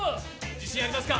自信ありますか？